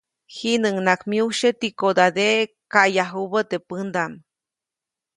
Jiʼnuŋnaʼak myujsye tikodadeʼe kayajubä teʼ pändaʼm.